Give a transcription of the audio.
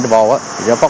và tăng tới